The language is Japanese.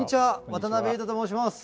渡辺裕太と申します。